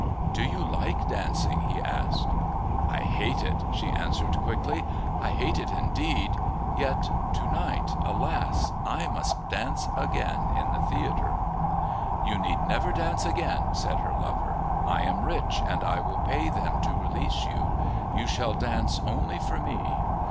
"Do you like dancing?" he asked. "I hate it," she answered, quickly. "I hate it indeed. Yet to night, alas! I must dance again in the theatre." "You need never dance again," said her lover. "I am rich and I will pay them to release you. You shall dance only for me.